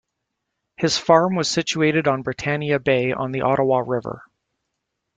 His farm was situated on Britannia Bay on the Ottawa River.